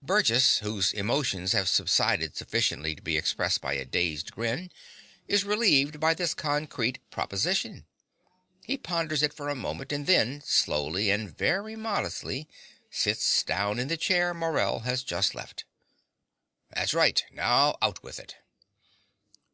(Burgess, whose emotions have subsided sufficiently to be expressed by a dazed grin, is relieved by this concrete proposition. He ponders it for a moment, and then, slowly and very modestly, sits down in the chair Morell has just left.) That's right. Now, out with it.